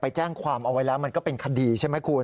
แจ้งความเอาไว้แล้วมันก็เป็นคดีใช่ไหมคุณ